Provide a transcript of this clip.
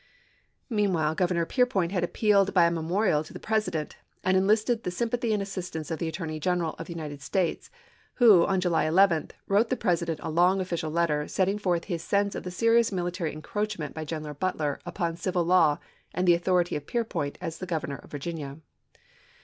Meanwhile Governor Peirpoint had appealed by a memorial to the President, and enlisted the sym pathy and assistance of the Attorney General of the United States, who, on July 11, wrote the President a long official letter setting forth his sense of the serious military encroachment by Bates General Butler upon civil law and the authority of July u, ' Peirpoint as the Governor of Virginia.